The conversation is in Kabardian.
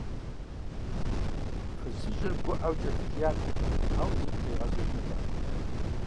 Фызыжьыр гуӀэу кӀэлъыкӀият абы, ауэ зыми къигъэзэжынутэкъым.